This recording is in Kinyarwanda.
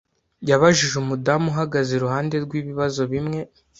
Yabajije umudamu uhagaze iruhande rwe ibibazo bimwe